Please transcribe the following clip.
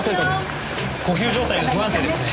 呼吸状態が不安定ですね。